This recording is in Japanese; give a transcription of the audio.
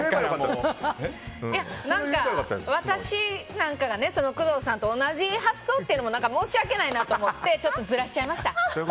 私なんかが工藤さんと同じ発想というのも何か申し訳ないなと思ってずらしちゃいました。